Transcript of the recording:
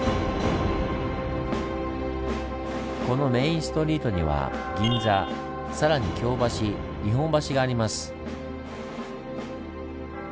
このメインストリートには銀座更に京橋日本橋があります。